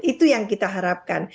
itu yang kita harapkan